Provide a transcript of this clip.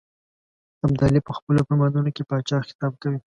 ابدالي په خپلو فرمانونو کې پاچا خطاب کوي.